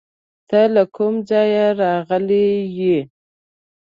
ته له کوم ځایه راغلی یې؟